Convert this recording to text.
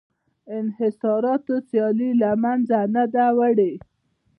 انحصاراتو سیالي له منځه نه ده وړې